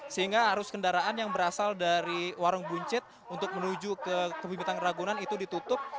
sehingga arus kendaraan yang berasal dari warung buncit untuk menuju ke kebumitan ragunan itu ditutup